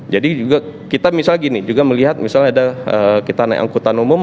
jadi juga kita misal gini juga melihat misalnya ada kita naik angkutan umum